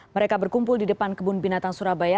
mereka berkumpul di depan kebun binatang surabaya